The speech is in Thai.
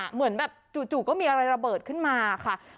เหมือนแบบจู่ก็มีอะไรระเบิดขึ้นมาค่ะ